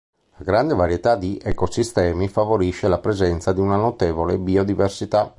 La grande varietà di ecosistemi favorisce la presenza di una notevole biodiversità.